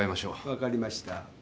分かりました。